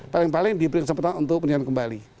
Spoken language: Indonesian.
paling paling diberi kesempatan untuk peninginan kembali